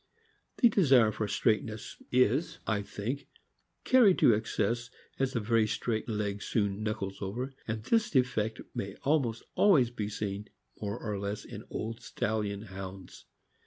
The desire for straightness is, I think, carried to excess, as the very straight leg soon knuckles over; and this defect may almost always be seen more or less in old stallion Hounds.